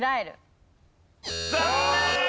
残念！